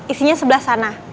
isinya sebelah sana